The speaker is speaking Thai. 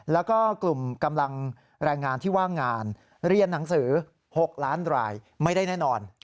แล้วก็กลุ่มกำลังแรงงานที่ว่างงานเรียนหนังสือ๖ล้านรายไม่ได้แน่นอน